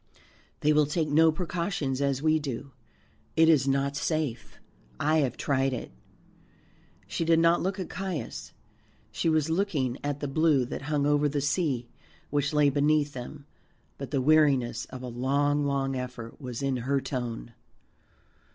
They will take no precautions as we do. It is not safe; I have tried it." She did not look at Caius, she was looking at the blue that hung over the sea which lay beneath them, but the weariness of a long long effort was in her tone.